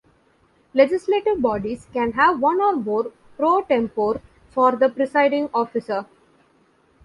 Legislative bodies can have one or more "pro tempore" for the presiding officer.